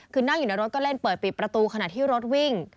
คือนั่งอยู่ในรถก็เล่นเปิดปิดประตูขณะที่รถวิ่ง